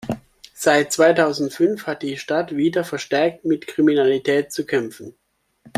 Seit zweitausendfünf hat die Stadt wieder verstärkt mit Kriminalität zu kämpfen.